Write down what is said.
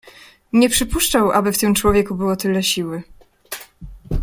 "Nie przypuszczał, aby w tym człowieku było tyle siły."